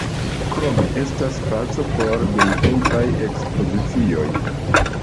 Krome estas spaco por dumtempaj ekspozicioj.